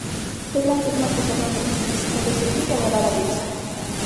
Él afirma que solo les es necesario servir y adorar a Dios.